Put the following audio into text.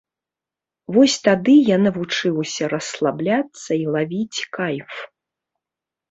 Вось тады я навучыўся расслабляцца і лавіць кайф.